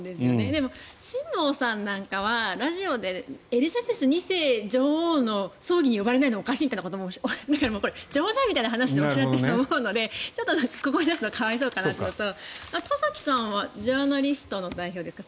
でも辛坊さんなんかは、ラジオでエリザベス女王の葬儀に呼ばれないのはおかしいみたいなことも冗談みたいな話でおっしゃっていると思うのでここに出すのは可哀想かなと思うのと田崎さんはジャーナリストの代表ですか？